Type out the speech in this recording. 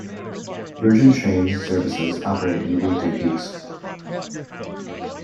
Virgin Trains services operate in the weekday peaks.